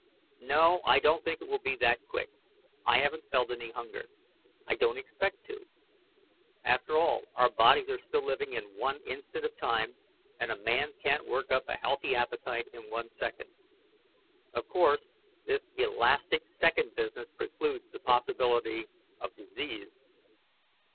"No, I don't think it will be that quick. I haven't felt any hunger. I don't expect to. After all, our bodies are still living in one instant of time, and a man can't work up a healthy appetite in one second. Of course, this elastic second business precludes the possibility of disease.